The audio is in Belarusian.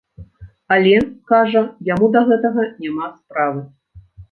Але, кажа, яму да гэтага няма справы.